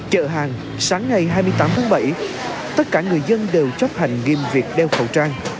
chợ hàng sáng ngày hai mươi tám tháng bảy tất cả người dân đều chấp hành nghiêm việc đeo khẩu trang